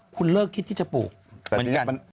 คุณเลิกคิดที่จะปลูกเหมือนกัน